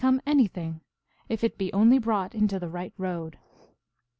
come anything, if it be only brought into the right road.